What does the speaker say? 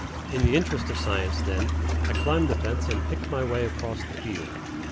In the interest of science, then, I climbed the fence and picked my way across the field.